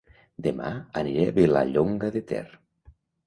Dema aniré a Vilallonga de Ter